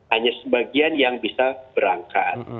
hanya sebagian yang bisa berangkat